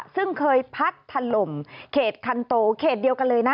ซึ่งเคยพัดถล่มเขตคันโตเขตเดียวกันเลยนะ